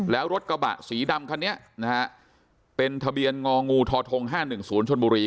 แล้วรถกระบะสีดำคันนี้นะฮะเป็นทะเบียนงองูททห้าหนึ่งศูนย์ชนบุรี